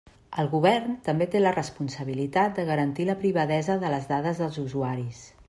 El govern també té la responsabilitat de garantir la privadesa de les dades dels usuaris.